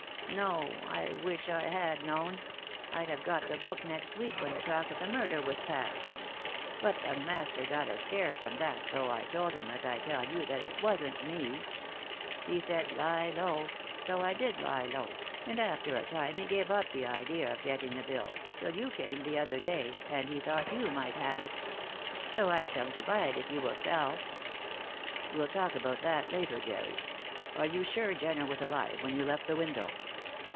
"No; I wished I had known. I'd have got the book next week when the talk of the murder was past. But the master got a scare from that, though I told him, as I tell you, that it wasn't me. He said 'Lie low,' so I did lie low, and after a time he gave up the idea of getting the bill, till you came the other day, and he thought you might have it. So I've come to buy it if you will sell." "We'll talk about that later, Jerry. Are you sure Jenner was alive when you left the window?"